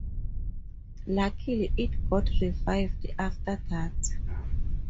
Luckily, it got revived after that.